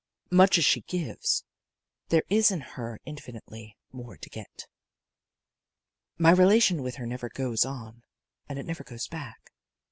Much as she gives, there is in her infinitely more to get. My relation with her never goes on, and it never goes back.